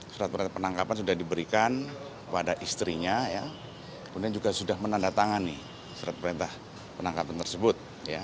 surat perintah penangkapan sudah diberikan pada istrinya kemudian juga sudah menandatangani surat perintah penangkapan tersebut